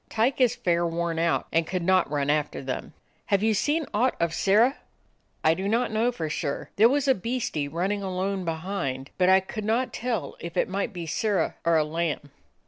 Tyke is fair worn out, and could not run after theml" "Have ye seen aught of Sirrah?" "I do not know for sure. There was a beastie runnin' alone behind, but I could not tell if it might be Sirrah or a lamb."